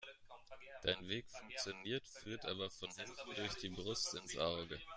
Dein Weg funktioniert, führt aber von hinten durch die Brust ins Auge.